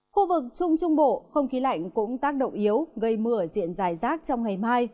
khu vực trung trung bộ không khí lạnh cũng tác động yếu gây mưa ở diện dài rác trong ngày mai